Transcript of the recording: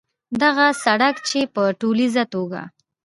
دغه سړک چې په ټولیزه توګه